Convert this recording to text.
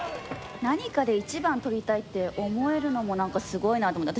何かで１番獲りたいって思えるのも何かすごいなと思って。